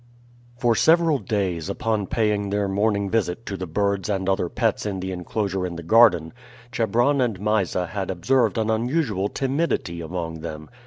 For several days, upon paying their morning visit to the birds and other pets in the inclosure in the garden, Chebron and Mysa had observed an unusual timidity among them.